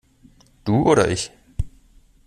Du oder ich?